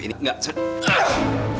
ini enggak sebe